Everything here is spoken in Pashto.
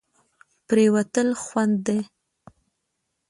پرېوتل خوند دی.